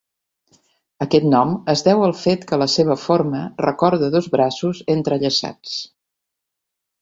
Aquest nom es deu al fet que la seva forma recorda dos braços entrellaçats.